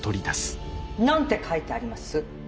何て書いてあります？